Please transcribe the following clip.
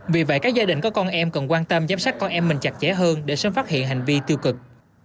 vì vậy các gia đình có con em cần quan tâm giám sát con em mình chặt chẽ hơn để sớm phát hiện hành vi tiêu cực